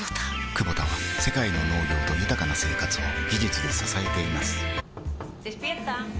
クボタは世界の農業と豊かな生活を技術で支えています起きて。